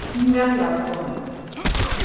N-ŋmeri la Pɔhim.